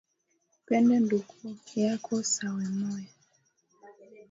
Penda nduku yako sa wemoya